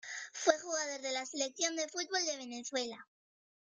Fue jugador de la Selección de fútbol de Venezuela.